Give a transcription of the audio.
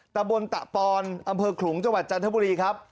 ตะบนตะปอนอำเภอขลุงจังหวัดจันทบุรีครับ